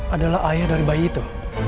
adalah ayah dari bayi itu